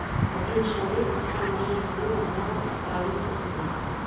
Адзін чалавек пасля маіх словаў нават адправіўся туды.